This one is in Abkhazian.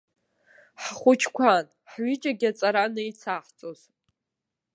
Ҳхәыҷқәан, ҳҩыџьагьы аҵара анеицаҳҵоз.